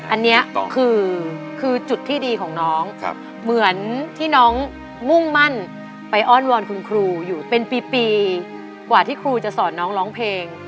อันนี้คือจุดที่ดีของน้องเหมือนที่น้องมุ่งมั่นไปอ้อนวอนคุณครูอยู่เป็นปีกว่าที่ครูจะสอนน้องร้องเพลง